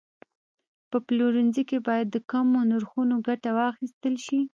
په پلورنځي کې باید د کمو نرخونو ګټه واخیستل شي.